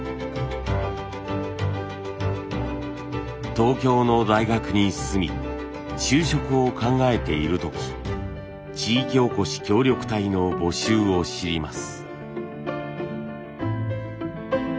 東京の大学に進み就職を考えている時地域おこし協力隊の募集を知ります。